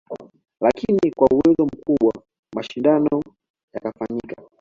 Lakini kwa uwezo mkubwa mashindano yakafanyika